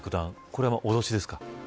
これは脅しですか。